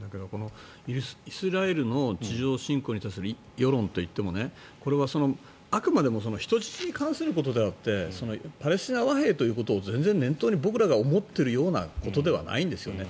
イスラエルの地上侵攻に対する世論といってもこれはあくまでも人質に関することであってパレスチナ和平ということを全然、念頭に僕らが思っているようなことではないんですよね。